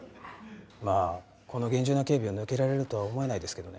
まあこの厳重な警備を抜けられるとは思えないですけどね